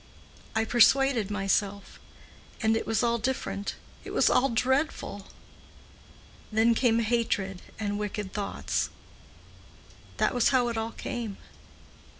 I persuaded myself. And it was all different. It was all dreadful. Then came hatred and wicked thoughts. That was how it all came.